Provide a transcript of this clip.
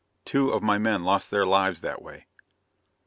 Two of my men lost their lives that way.